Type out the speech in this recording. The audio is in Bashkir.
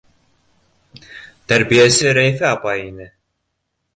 Тәрбиәсе Рәйфә апай ине.